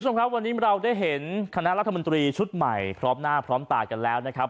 คุณผู้ชมครับวันนี้เราได้เห็นคณะรัฐมนตรีชุดใหม่พร้อมหน้าพร้อมตากันแล้วนะครับ